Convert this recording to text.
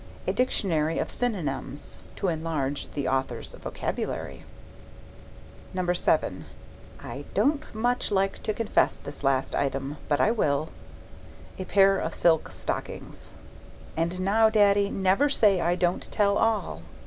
A dictionary of synonyms. (To enlarge the author's vocabulary.) VII. (I don't much like to confess this last item, but I will.) A pair of silk stockings. And now, Daddy, never say I don't tell all!